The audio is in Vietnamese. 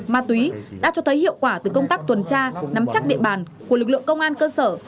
ma túy đã cho thấy hiệu quả từ công tác tuần tra nắm chắc địa bàn của lực lượng công an cơ sở